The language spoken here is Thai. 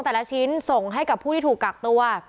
แต่ละชิ้นส่งให้กับผู้ที่ถูกกักตัว